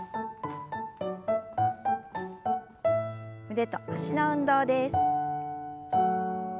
腕と脚の運動です。